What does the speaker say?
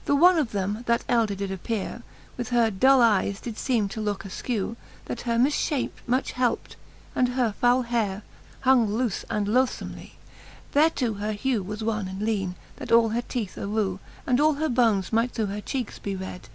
XXIX. The one of them, that elder did appeare, With her dull eyes did feeme to looke askew, That her mif fhape much helpt ; and her foule heare Hung loofe and loathfomcly: Thereto her hew Was wan and leane, that all her teeth arew. And all her bones might through her cheekes be red